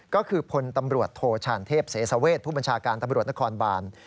ก็คือพลตำรวจโทชานเทพเสสเวชผู้บัญชาการตำรวจนครบาน